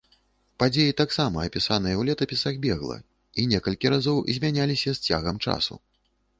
Падзеі таксама апісаныя ў летапісах бегла і некалькі разоў змяняліся з цягам часу.